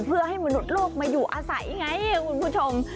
เพื่อให้มนุษย์โลกมาอยู่อาศัยไงคุณผู้ชม